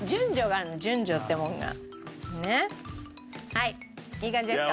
はいいい感じですか？